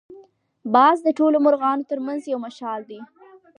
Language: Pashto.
باز د ټولو مرغانو تر منځ یو مشال دی